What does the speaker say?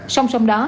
song song đó